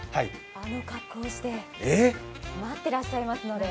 あの格好をして待っていらっしゃいますので。